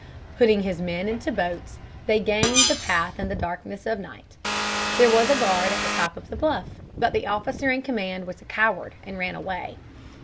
Putting his men into boats, they gained the path in the darkness of night. There was a guard at the top of the bluff, but the officer in command was a coward and ran away.